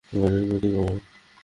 গাড়ির গতি কমাও।